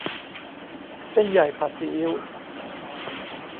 เส้นใหญ่ผัดซีอิ๊ว